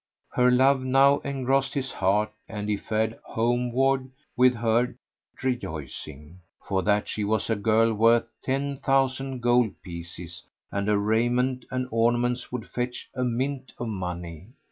Her love now engrossed his heart and he fared homeward with her rejoicing, for that she was a girl worth ten thousand gold pieces and her raiment and ornaments would fetch a mint of money.